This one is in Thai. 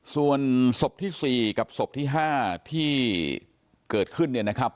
ส่วนศพที่๔กับศพที่๕ที่เกิดขึ้นเนี่ยนะครับ